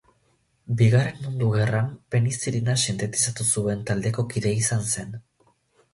Bigarren Mundu Gerran penizilina sintetizatu zuen taldeko kide izan zen.